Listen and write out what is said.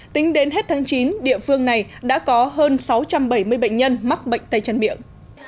tính đến hết tháng chín địa phương này đã có hơn sáu trăm bảy mươi bệnh nhân mắc bệnh tay chân miệng